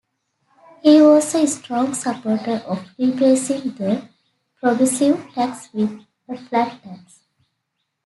He was a strong supporter of replacing the progressive tax with a flat tax.